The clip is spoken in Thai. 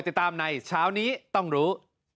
ติดตามในเช้านี้ต้องรู้